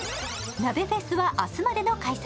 鍋フェスは明日までの開催。